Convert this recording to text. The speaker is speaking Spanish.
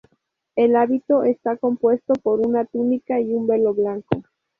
El hábito está compuesto por una túnica y un velo blanco.